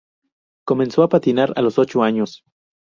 Comenzó a patinar a los ocho años.